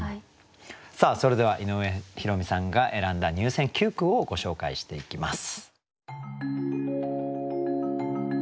さあそれでは井上弘美さんが選んだ入選九句をご紹介していきます。